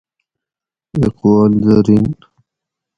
اقوال زریں